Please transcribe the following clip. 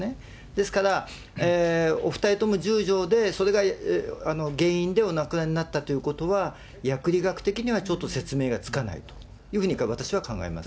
ですから、お２人とも１０錠で、それが原因でお亡くなりになったということは、薬理学的にはちょっと説明がつかないというふうに私は考えます。